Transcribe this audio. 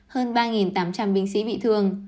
hơn ba tám trăm linh binh sĩ bị thương